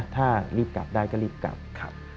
ถ้ารีบกลับได้ก็รีบกลับครับ